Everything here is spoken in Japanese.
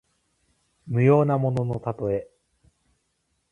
無用なもののたとえ。